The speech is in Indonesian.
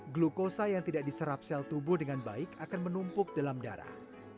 glukosa yang tidak diserap sel tubuh dengan baik akan menumpuk dalam darah